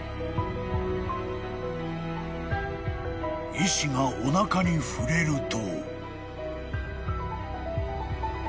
［医師がおなかに触れると］